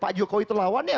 pak jokowi tuh lawannya